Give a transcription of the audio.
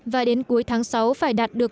và đến cuối tháng sáu phải đạt được